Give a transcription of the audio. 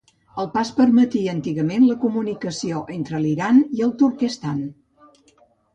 El pas permetia antigament la comunicació entre l'Iran i el Turquestan.